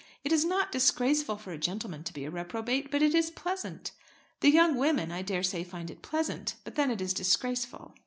It is not disgraceful for a gentleman to be a reprobate, but it is pleasant. The young women I daresay find it pleasant, but then it is disgraceful.